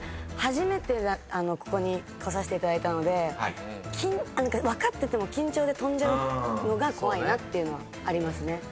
初めてここに来させていただいたので分かってても緊張で飛んじゃうのが怖いなっていうのはありますね。